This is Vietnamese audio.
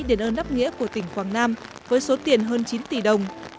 để ơn đắp nghĩa của tỉnh quảng nam với số tiền hơn chín tỷ đồng